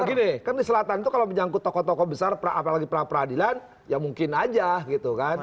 begini kan di selatan itu kalau menyangkut tokoh tokoh besar apalagi pra peradilan ya mungkin aja gitu kan